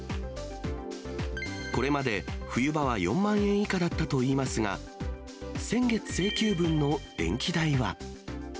これまで冬場は４万円以下だったといいますが、先月請求分の電気代は。